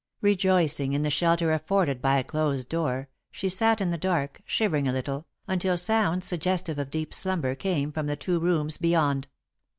Rejoicing in the shelter afforded by a closed door, she sat in the dark, shivering a little, until sounds suggestive of deep slumber came from the two rooms beyond.